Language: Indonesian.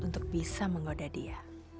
untuk bisa menggoda dia